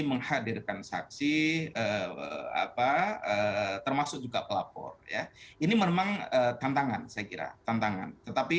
menghadirkan saksi apa termasuk juga pelapor ya ini memang tantangan saya kira tantangan tetapi